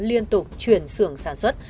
liên tục chuyển xưởng sản xuất